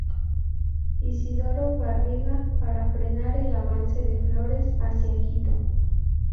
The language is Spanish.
Isidoro Barriga, para frenar el avance de Flores hacia Quito.